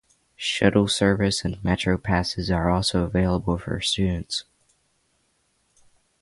Shuttle service and Metro passes are also available for students.